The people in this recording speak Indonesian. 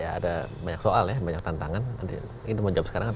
ada banyak soal banyak tantangan